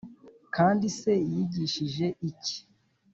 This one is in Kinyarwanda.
kandi se yigishije iki?